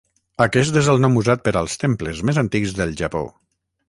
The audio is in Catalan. Aquest és el nom usat per als temples més antics del Japó.